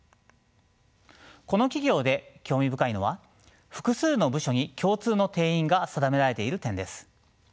この企業で興味深いのは複数の部署に共通の定員が定められている点です。